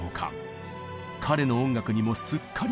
彼の音楽にもすっかり夢中に。